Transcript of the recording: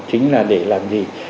chính là để làm gì